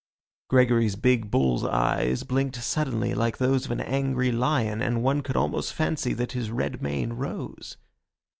Gregory's big bull's eyes blinked suddenly like those of an angry lion, and one could almost fancy that his red mane rose.